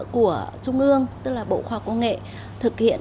của trung ương tức là bộ khoa công nghệ thực hiện